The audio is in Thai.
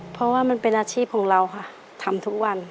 เพราะว่ามันเป็นอาชีพของเราค่ะทำทุกวัน